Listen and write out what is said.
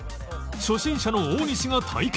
初心者の大西が体験